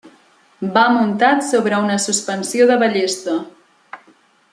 Va muntat sobre una suspensió de ballesta.